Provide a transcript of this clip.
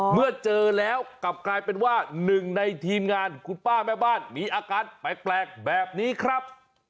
เมื่อเจอแล้วกลับกลายเป็นว่าหนึ่งในทีมงานคุณป้าแม่บ้านมีอาการแปลกแบบนี้ครับ